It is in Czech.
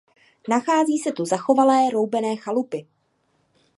Nachází se tu zachovalé roubené chalupy.